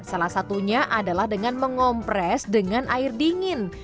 salah satunya adalah dengan mengompres dengan air dingin